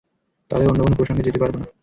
তাহলে অন্য কোনও প্রসঙ্গে যেতে পারব না।